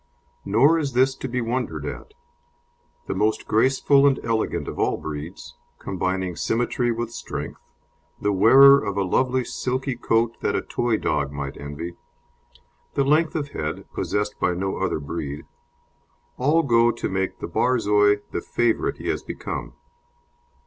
Nor is this to be wondered at. The most graceful and elegant of all breeds, combining symmetry with strength, the wearer of a lovely silky coat that a toy dog might envy, the length of head, possessed by no other breed all go to make the Borzoi the favourite he has become.